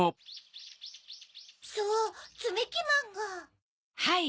・そうつみきまんが・はい